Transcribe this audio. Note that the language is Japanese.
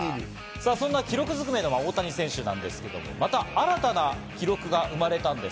そんな記録ずくめの大谷選手なんですけど新たな記録が生まれたんです。